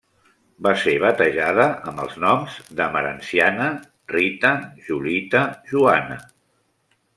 Va ser batejada amb els noms d'Emerenciana Rita Julita Joana.